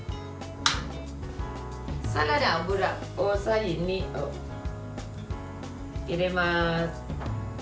サラダ油、大さじ２を入れます。